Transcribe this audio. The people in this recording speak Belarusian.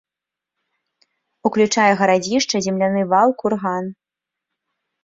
Уключае гарадзішча, земляны вал, курган.